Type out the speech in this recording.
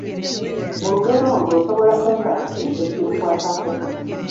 Mu lugero olwo osobola kumpa ki ekirukwatako?